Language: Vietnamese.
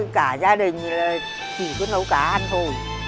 cả gia đình chỉ có nấu cá ăn thôi